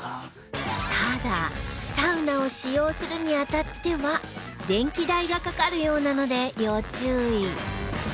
ただサウナを使用するに当たっては電気代がかかるようなので要注意